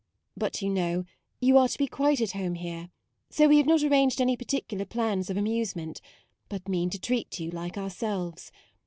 But you know you are to be quite at home here ; so we have not arranged any particular plans of amusement, but mean to treat you like ourselves.